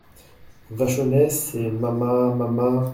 Vachonnet C'est mama … mama …